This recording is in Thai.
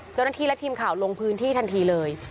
เจ้าหน้าที่และทีมข่าวลงพื้นที่ทันทีเลย